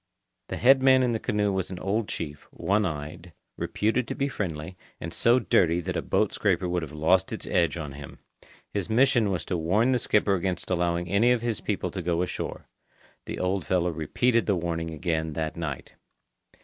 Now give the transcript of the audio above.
The head man in the canoe was an old chief, one eyed, reputed to be friendly, and so dirty that a boat scraper would have lost its edge on him. His mission was to warn the skipper against allowing any of his people to go ashore. The old fellow repeated the warning again that night.